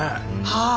はい。